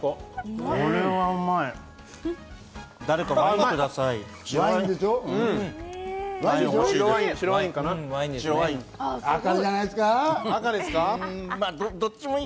これはうまい！